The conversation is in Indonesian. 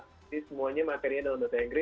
jadi semuanya materinya dalam bahasa inggris